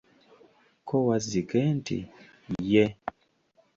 Ko Wazzike nti, ye.